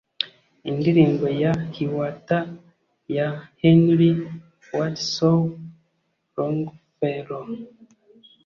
"indirimbo ya hiawatha" ya henry wadsworth longfellow